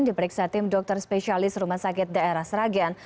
diperiksa tim dokter spesialis rumah sakit daerah sragen